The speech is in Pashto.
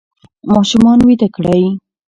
ماشومان ویده کړئ.